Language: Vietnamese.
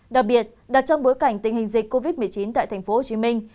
đặc biệt đặt trong bối cảnh tình hình dịch covid một mươi chín tại thành phố hồ chí minh